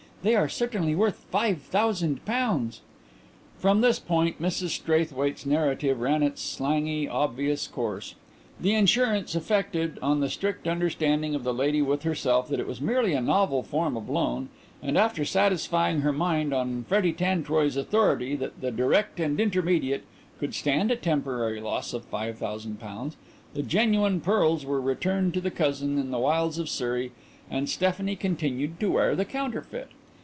They are certainly worth five thousand pounds.'" From this point Mrs Straithwaite's narrative ran its slangy, obvious course. The insurance effected on the strict understanding of the lady with herself that it was merely a novel form of loan, and after satisfying her mind on Freddy Tantroy's authority that the Direct and Intermediate could stand a temporary loss of five thousand pounds the genuine pearls were returned to the cousin in the wilds of Surrey and Stephanie continued to wear the counterfeit.